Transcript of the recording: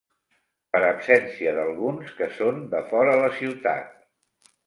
Per absència d'alguns que són defora la ciutat.